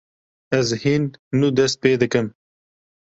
Ez hîn nû dest pê dikim.